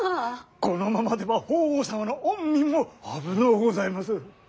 このままでは法皇様の御身も危のうございます。